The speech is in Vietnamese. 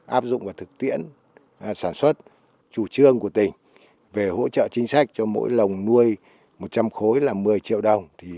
áp dụng và thực tiễn sản xuất chủ trương của tỉnh về hỗ trợ chính sách cho mỗi lồng nuôi một trăm linh khối là một mươi triệu đồng